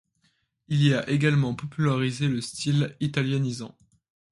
Il y a également popularisé le style italianisant.